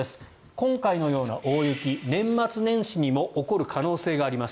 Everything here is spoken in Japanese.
今回のような大雪年末年始にも起こる可能性があります。